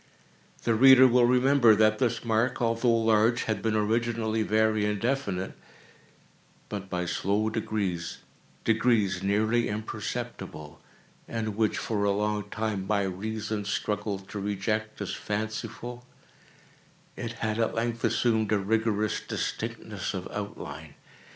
The reader will remember that this mark, although large, had been originally very indefinite; but, by slow degrees—degrees nearly imperceptible, and which for a long time my reason struggled to reject as fanciful—it had, at length, assumed a rigorous distinctness of outline.